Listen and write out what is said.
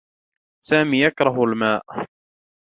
سامي يكره الماء